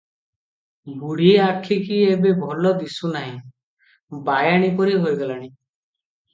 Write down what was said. ବୁଢ଼ୀ ଆଖିକି ଏବେ ଭଲ ଦିଶୁ ନାହିଁ; ବାୟାଣୀ ପରି ହୋଇଗଲାଣି ।